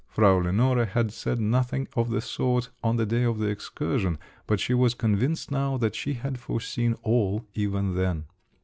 (Frau Lenore had said nothing of the sort on the day of the excursion, but she was convinced now that she had foreseen "all" even then.)